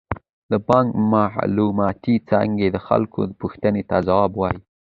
د بانک معلوماتي څانګه د خلکو پوښتنو ته ځواب وايي.